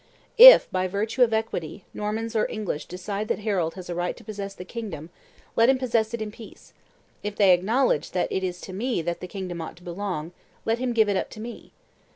If, by virtue of equity, Normans or English decide that Harold has a right to possess the kingdom, let him possess it in peace; if they acknowledge that it is to me that the kingdom ought to belong, let him give it up to me.